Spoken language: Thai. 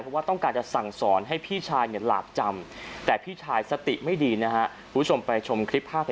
เพราะว่าต้องการจะสั่งสอนให้พี่ชายหลากจำแต่พี่ชายสติไม่ดีนะครับ